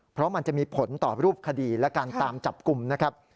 เพราะมันจะมีผลต่อรูปคดีและการตามจับกลุ่มนะครับ